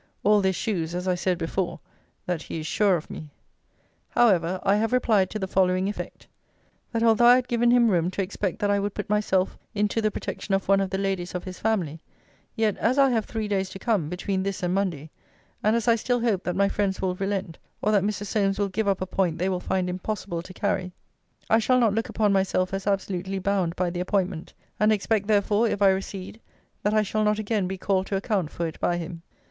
All this shews, as I said before, that he is sure of me. However, I have replied to the following effect: 'That although I had given him room to expect that I would put myself into the protection of one of the ladies of his family; yet as I have three days to come, between this and Monday, and as I still hope that my friends will relent, or that Mr. Solmes will give up a point they will find impossible to carry; I shall not look upon myself as absolutely bound by the appointment: and expect therefore, if I recede, that I shall not again be called to account for it by him.